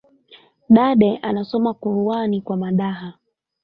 Dade asoma kuruwani kwa madaha